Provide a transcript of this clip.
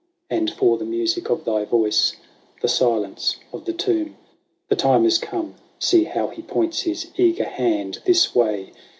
And for the music of thy voice, the silence of the tomb. The time is come. See how he points his eager hand this way